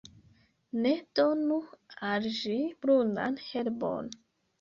Ne donu al ĝi brunan herbon.